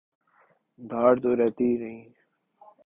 دھاڑ تو رہتی ہی نہیں۔